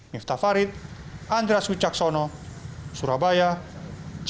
miftah farid andras wicaksono surabaya cakai